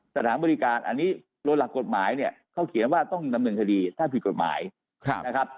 สถานบริการอันนี้โดยหลักกฎหมายเนี่ยเขาเขียนว่าต้องดำเนินคดีถ้าผิดกฎหมายนะครับ